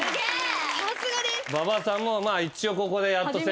さすがです。